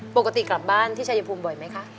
ปกติกลับบ้านที่ชายภูมิบ่อยไหมคะ